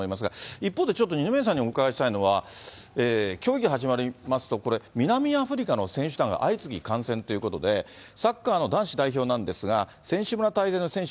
一方でちょっと二宮さんにお伺いしたいのは、競技始まりますと、南アフリカの選手団が相次ぎ感染ということで、サッカーの男子代表なんですが、選手村滞在の選手